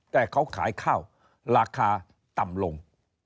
แต่เขาขายข้าวราคาต่ำลง